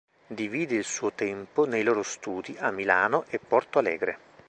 Divide il suo tempo nei loro studi a Milano e Porto Alegre.